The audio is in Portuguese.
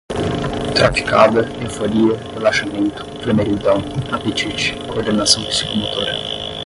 traficada, euforia, relaxamento, vermelhidão, apetite, coordenação psicomotora